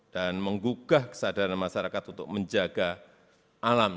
dan menggugah kesadaran masyarakat untuk menjaga alam